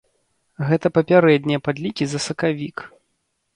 Гэта папярэднія падлікі за сакавік.